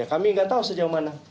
ya kami tidak tahu sejauh mana